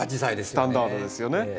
スタンダードですよね。